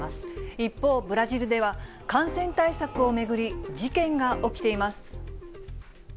一方、ブラジルでは、感染対策を巡り、事件が起きています。